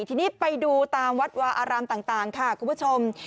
ทีนี้ไปดูตามวัดวาอารามต่างค่ะคุณผู้ชม